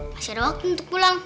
masih ada waktu untuk pulang